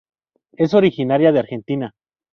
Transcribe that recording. Es originaria de Argentina.